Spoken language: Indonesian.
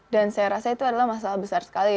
dan saya rasa itu adalah masalah besar sekali